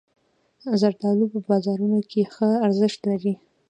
زردالو په بازارونو کې ښه ارزښت لري.